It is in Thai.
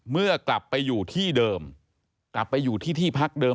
เมื่อกลับไปอยู่ที่เดิมกลับไปอยู่ที่ที่พักเดิม